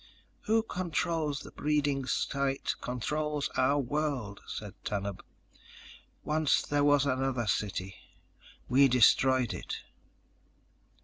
_ "Who controls the breeding sites controls our world," said Tanub. "Once there was another city. We destroyed it."